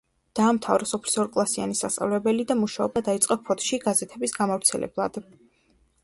დაამთავრა სოფლის ორკლასიანი სასწავლებელი და მუშაობა დაიწყო ფოთში გაზეთების გამავრცელებლად.